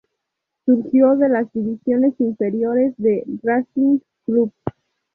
Surgido de las divisiones inferiores de Racing Club.